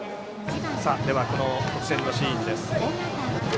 この得点のシーンです。